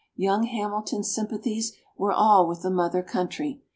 Young Hamilton's sympathies were all with the mother country.